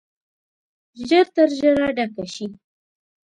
ژر تر ژره ډکه شي.